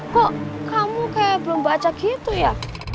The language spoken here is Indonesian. kok kamu kayak belum baca gitu ya